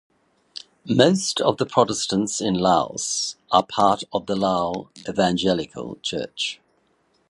Most of the Protestants in Laos are part of the Lao Evangelical Church.